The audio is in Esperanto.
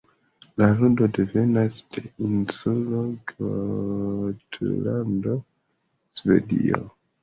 La ludo devenas de insulo Gotlando, Svedio.